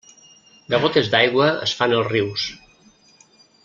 De gotes d'aigua es fan els rius.